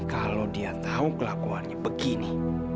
kalau dia tahu kelakuannya begini